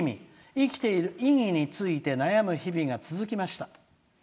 生きている意義について悩む日々が続きました」。